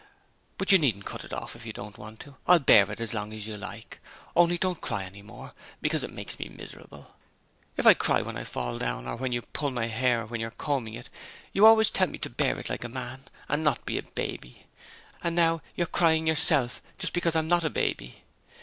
But you needn't cut it off if you don't want to. I'll bear it as long as you like. Only don't cry any more, because it makes me miserable. If I cry when I fall down or when you pull my hair when you're combing it you always tell me to bear it like a man and not be a baby, and now you're crying yourself just because I'm not a baby.